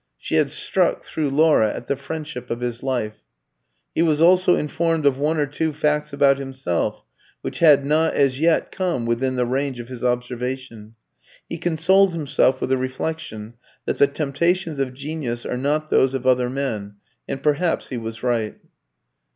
She had struck, through Laura, at the friendship of his life. He was also informed of one or two facts about himself which had not as yet come within the range of his observation. He consoled himself with the reflection that the temptations of genius are not those of other men. And perhaps he was right.